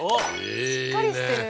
しっかりしてる。